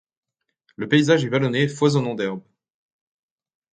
Le paysage est vallonné et foisonnant d'herbe.